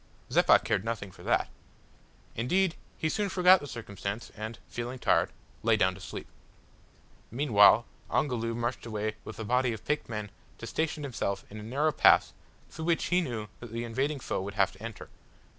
Zeppa cared nothing for that. Indeed he soon forgot the circumstance, and, feeling tired, lay down to sleep. Meanwhile Ongoloo marched away with a body of picked men to station himself in a narrow pass through which he knew that the invading foe would have to enter.